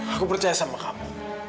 aku percaya sama kamu